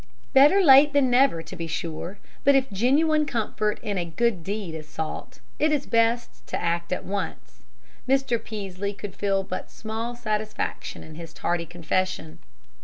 Better late than never, to be sure; but if genuine comfort in a good deed is sought, it is best to act at once. Mr. Peaslee could feel but small satisfaction in his tardy confession.